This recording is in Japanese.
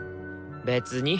別に。